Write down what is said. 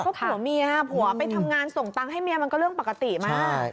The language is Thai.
ก็ผัวเมียผัวไปทำงานส่งตังค์ให้เมียมันก็เรื่องปกติมาก